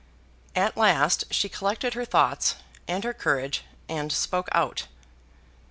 At last she collected her thoughts and her courage, and spoke out.